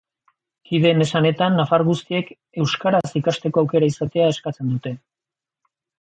Kideen esanetan, nafar guztiek euskaraz ikasteko aukera izatea eskatzen dute.